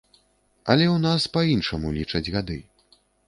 Але ў нас па-іншаму лічаць гады.